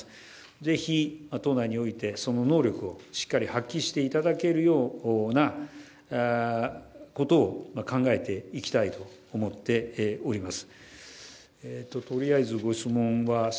ぜひ党内においてその能力をしっかり発揮していただけるようなことを考えていきたいと思っております。